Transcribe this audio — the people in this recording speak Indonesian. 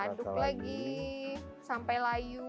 aduk lagi sampai layu